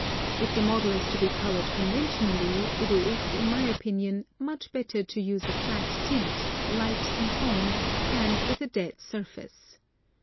If the model is to be colored conventionally it is, in my opinion, much better to use a flat tint, light in tone, and with a dead surface.